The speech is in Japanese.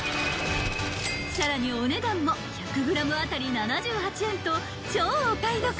［さらにお値段も１００ｇ当たり７８円と超お買い得］